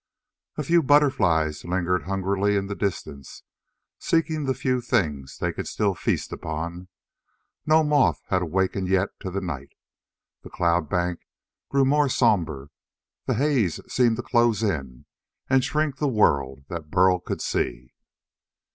A few butterflies lingered hungrily in the distance, seeking the few things they could still feast upon. No moth had wakened yet to the night. The cloud bank grew more sombre. The haze seemed to close in and shrink the world that Burl could see.